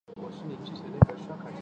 会议最后